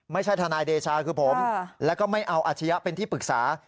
ทนายเดชาคือผมแล้วก็ไม่เอาอาชญะเป็นที่ปรึกษา